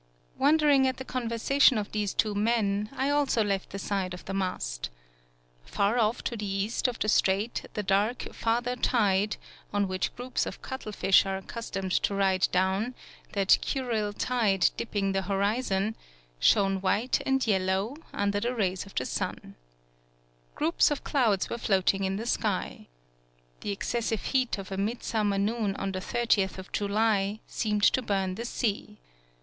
Wondering at the conversation of these two men, I also left the side of the mast. Far off to the east of the Strait the dark "Father Tide" on which groups of cuttle fish are accus tomed to ride down, that Kurile tide dipping the horizon, shone white and yellow, under the rays of the sun. 154 TSUGARU STRAIT Groups of clouds were floating in the sky. The excessive heat of a mid sum mer noon on the thirtieth of July, seemed to burn the sea.